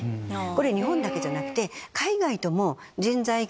日本だけじゃなくて。